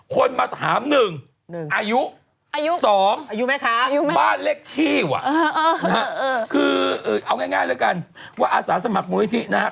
คนมาถาม๑อายุ๒บ้านเล็กที่ว่ะเออคือเอาง่ายแล้วกันว่าอาศาสมัครมนุมนิธินะครับ